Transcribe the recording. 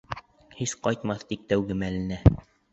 Һис ҡайтмаҫ тик тәүге мәленә.